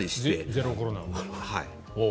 ゼロコロナを。